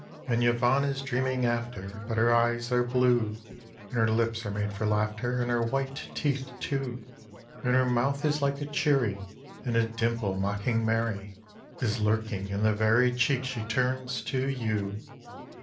And Yvonne is dreaming after, but her eyes are blue; And her lips are made for laughter, and her white teeth too; And her mouth is like a cherry, and a dimple mocking merry Is lurking in the very cheek she turns to you.